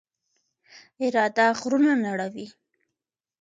اراده غرونه نړوي.